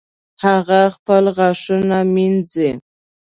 هغه خپل غاښونه مینځي